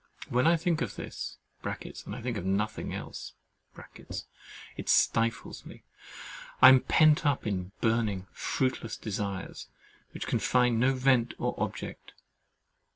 When I think of this (and I think of nothing else) it stifles me. I am pent up in burning, fruitless desires, which can find no vent or object.